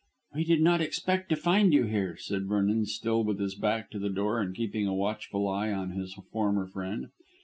"We did not expect to find you here," said Vernon, still with his back to the door and keeping a watchful eye on his former friend.